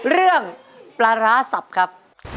เรื่องปลาร้าสับครับ